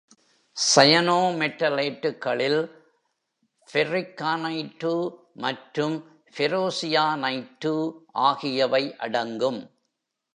சயனோமெட்டலேட்டுகளில் ஃபெர்ரிக்கானைடு மற்றும் ஃபெரோசியானைடு ஆகியவை அடங்கும்.